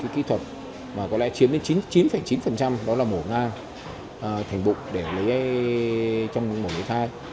kỹ thuật mà có lẽ chiếm đến chín chín đó là mổ ngang thành bụng để lấy trong mổ lấy thai